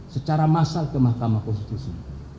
secara massal ke mahkamah konstitusi